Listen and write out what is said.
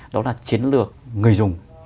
đó là chiến lược người dùng